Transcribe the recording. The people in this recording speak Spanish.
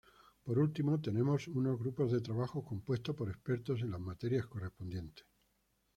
Por último, tenemos unos grupos de trabajo compuestos por expertos en las materias correspondientes.